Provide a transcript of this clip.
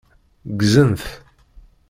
Ggzen-t.